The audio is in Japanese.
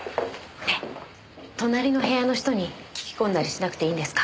ねえ隣の部屋の人に聞き込んだりしなくていいんですか？